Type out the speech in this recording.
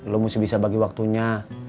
lo mesti bisa bagi waktunya